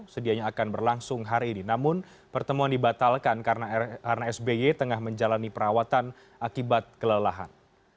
sedianya akan berlangsung hari ini namun pertemuan dibatalkan karena sby tengah menjalani perawatan akibat kelelahan